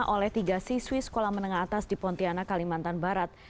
oleh tiga siswi sekolah menengah atas di pontianak kalimantan barat